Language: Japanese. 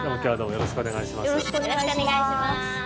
よろしくお願いします。